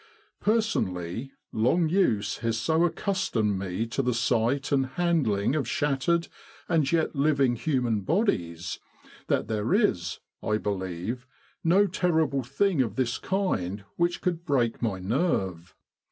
Personally, long use has so accustomed me to the sight and handling of shattered and yet living human bodies, that there is, I believe, no terrible thing of this kind which could break my nerve.